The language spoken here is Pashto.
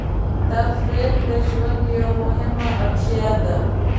تفریح د ژوند یوه مهمه اړتیا ده.